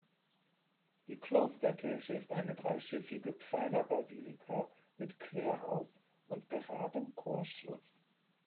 Die Klosterkirche ist eine dreischiffige Pfeilerbasilika mit Querhaus und geradem Chorschluss.